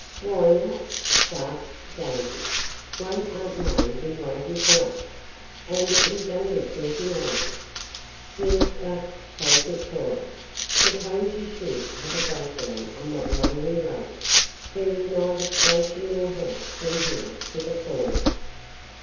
"Why not?" gasped Daisy. "Won't Aunt May be waiting for us? And it is only thirty miles." "Yes, but," faltered Cora, "suppose you should have a breakdown on that lonely road? There is neither station nor house from here to the falls."